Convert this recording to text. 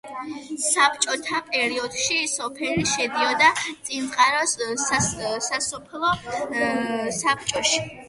საბჭოთა პერიოდში სოფელი შედიოდა წინწყაროს სასოფლო საბჭოში.